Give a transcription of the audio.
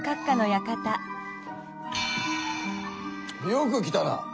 よく来たな！